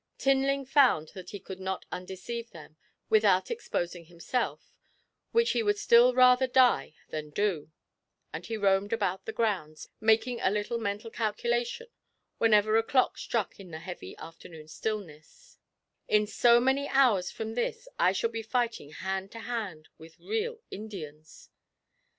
Tinling found that he could not undeceive them without exposing himself, which he would still rather die than do, and he roamed about the grounds, making a little mental calculation whenever a clock struck in the heavy afternoon stillness: 'In so many hours from this I shall be fighting hand to hand with real Indians!'